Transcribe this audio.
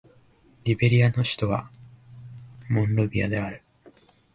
リベリアの首都はモンロビアである